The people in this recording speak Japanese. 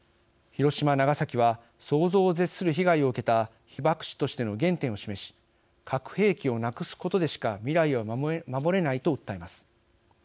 広島、長崎は想像を絶する被害を受けた被爆地としての原点を示し「核兵器をなくすことでしか未来は守れない」と訴えます。